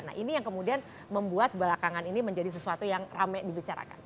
nah ini yang kemudian membuat belakangan ini menjadi sesuatu yang rame dibicarakan